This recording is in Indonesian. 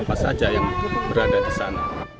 apa saja yang berada di sana